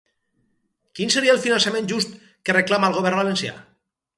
Quin seria el finançament just que reclama el govern valencià?